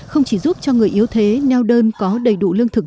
không chỉ giúp cho người yếu thế neo đơn có đầy đủ lương thực